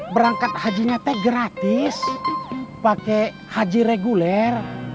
berangkat hajinya teh gratis pakai haji reguler